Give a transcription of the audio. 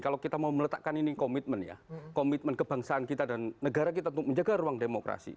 kalau kita mau meletakkan ini komitmen ya komitmen kebangsaan kita dan negara kita untuk menjaga ruang demokrasi